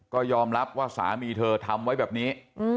ก็ยอมรับว่าสามีเธอทำไว้แบบนี้